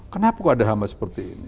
kenapa kok ada hama seperti ini